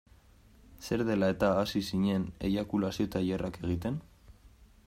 Zer dela-eta hasi zinen eiakulazio-tailerrak egiten?